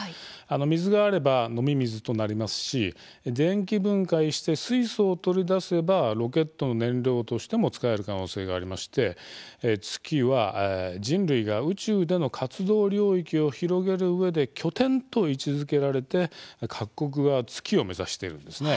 水があれば飲み水となりますし電気分解して水素を取り出せばロケットの燃料としても使える可能性がありまして月は人類が宇宙での活動領域を広げるうえで拠点と位置づけられて各国が月を目指しているんです。